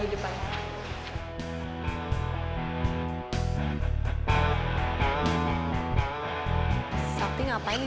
menurut saya nggak adajuternya